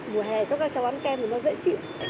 mùa hè cho các cháu ăn kem thì nó dễ chịu